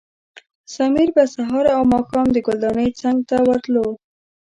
سمیر به سهار او ماښام د ګلدانۍ څنګ ته ورتلو.